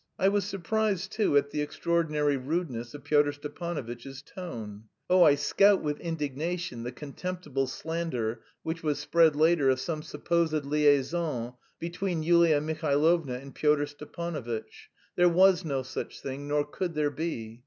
I was surprised too at the extraordinary rudeness of Pyotr Stepanovitch's tone. Oh, I scout with indignation the contemptible slander which was spread later of some supposed liaison between Yulia Mihailovna and Pyotr Stepanovitch. There was no such thing, nor could there be.